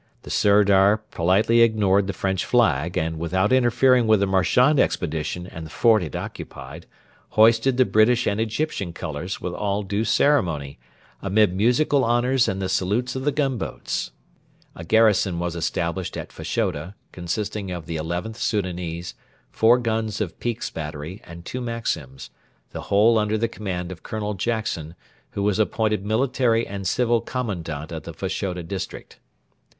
The Sirdar politely ignored the French flag, and, without interfering with the Marchand Expedition and the fort it occupied, hoisted the British and Egyptian colours with all due ceremony, amid musical honours and the salutes of the gunboats. A garrison was established at Fashoda, consisting of the XIth Soudanese, four guns of Peake's battery, and two Maxims, the whole under the command of Colonel Jackson, who was appointed military and civil commandant of the Fashoda district.